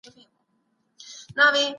سید قطب شهید یو پېژندل سوی شخصیت دی.